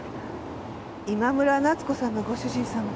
今村奈津子さんのご主人様。